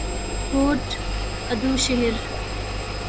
کوٹ ادو شہر ہے